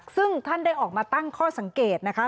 ซึ่งท่านได้ออกมาตั้งข้อสังเกตนะคะ